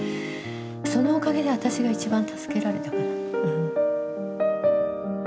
そのおかげで私が一番助けられたかな。